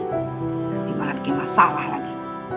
nanti malah lagi masalah lagi